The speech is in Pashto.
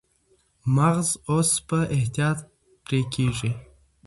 مغز اوس په احتیاط پرې کېږي.